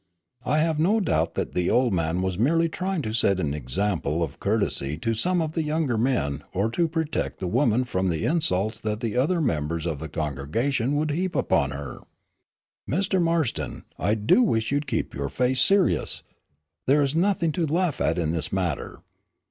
I have no doubt that the old man was merely trying to set an example of courtesy to some of the younger men, or to protect the woman from the insults that the other members of the congregation would heap upon her. Mr. Marston, I do wish you would keep your face serious. There is nothing to laugh at in this matter.